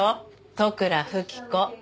利倉富貴子。